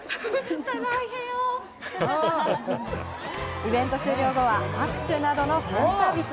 イベント終了後は、握手などのファンサービス。